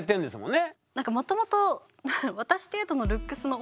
ね。